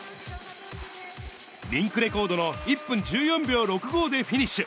リンクレコードの１分１４秒６５でフィニッシュ。